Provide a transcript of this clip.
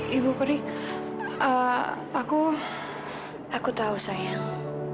hai ibu peri aku aku tahu sayang